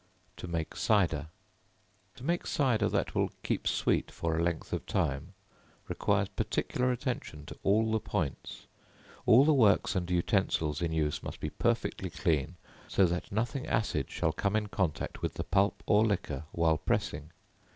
To Make Cider. To make cider that will keep sweet for a length of time, requires particular attention to all the points. All the works and utensils in use must be perfectly clean, so that nothing acid shall come in contact with the pulp or liquor while pressing.